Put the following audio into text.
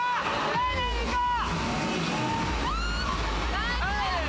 丁寧にいこう！